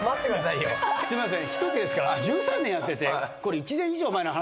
すいません。